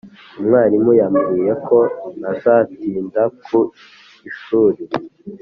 umwarimu yambwiye ko ntazatinda ku ishuri.